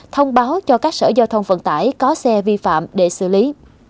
thông báo cho các sở giao thông vận tải có xe vi phạm để xử lý